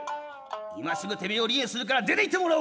今すぐてめえを離縁するから出て行って貰おうか！」。